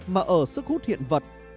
mà ở sức hút hiện vật